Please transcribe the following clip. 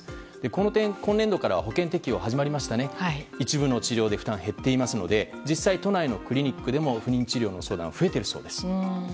この点、今年度から保険適用が始まって一部では負担が減っていますので実際都内のクリニックでも不妊治療の相談は増えているそうです。